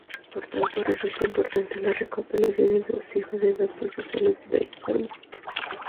Por tanto resulta importante la recopilación exhaustiva de datos de salud del enfermo.